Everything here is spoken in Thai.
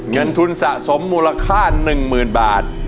เงินทุนสะสมมูลค่า๑๐๐๐บาท